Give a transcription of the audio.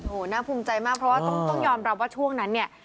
โอ้โหน่าภูมิใจมากเพราะว่าต้องยอมรับว่าช่วงนั้นเนี่ย